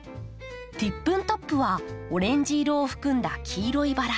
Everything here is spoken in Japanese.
ティップントップはオレンジ色を含んだ黄色いバラ。